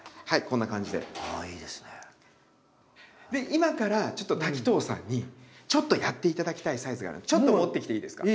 今からちょっと滝藤さんにちょっとやって頂きたいサイズがあるんでちょっと持ってきていいですか？